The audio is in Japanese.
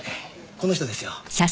この人ですよ。